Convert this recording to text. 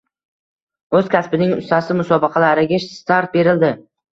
“O‘z kasbining ustasi” musobaqalariga start berildi